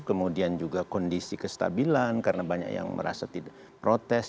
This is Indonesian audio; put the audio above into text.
kemudian juga kondisi kestabilan karena banyak yang merasa tidak protes